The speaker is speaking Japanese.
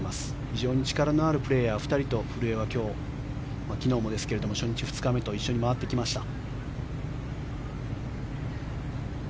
非常に力のあるプレーヤー２人と古江は今日、昨日も初日、２日目と一緒に回ってきました。